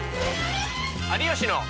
「有吉の」。